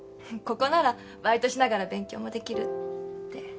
ここならバイトしながら勉強もできるって。